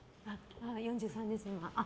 ４３です、今。